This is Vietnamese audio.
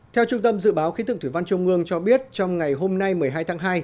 theo trung tâm dự báo khí tượng thủy văn trung ương cho biết trong ngày hôm nay một mươi hai tháng hai